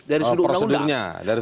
dari sudut undang undang